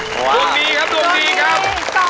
ตัวดีครับตัวดีครับ